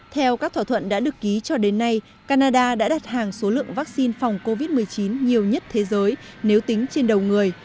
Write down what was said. theo các thỏa thuận đã được ký cho đến nay canada đã đặt hàng số lượng vaccine phòng covid một mươi chín nhiều nhất thế giới nếu tính trên đầu người